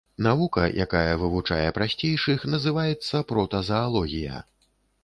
Навука, якая вывучае прасцейшых, называецца протазаалогія.